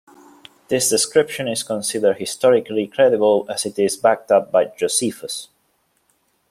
This description is considered historically credible as it is backed up by Josephus.